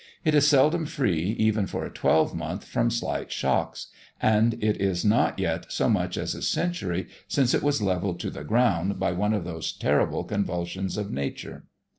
It is seldom free even for a twelvemonth from slight shocks; and it is not yet so much as a century since it was levelled to the ground by one of those terrible convulsions of nature.